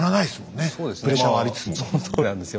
そうなんですよ。